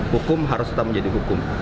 hukum harus tetap menjadi hukum